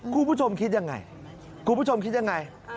กูผู้ชมคิดอย่างไร